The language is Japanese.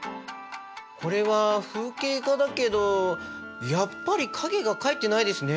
これは風景画だけどやっぱり影が描いてないですね。